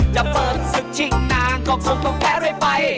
จะเบิกซึดเชียงนางก็คงต้องแพ้ด้วยไป